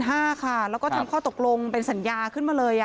อ้าว๒๕๐๐๐ค่ะแล้วก็ทำข้อตกลงเป็นสัญญาขึ้นมาเลย